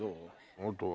あとは？